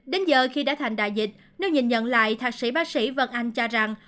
đến giờ khi đã thành đại dịch nếu nhìn nhận lại thạc sĩ bác sĩ vân anh cho rằng